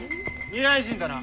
未来人だな？